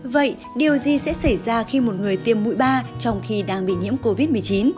vậy điều gì sẽ xảy ra khi một người tiêm mũi ba trong khi đang bị nhiễm covid một mươi chín